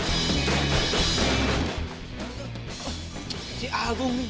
ini pasti si agung nih pak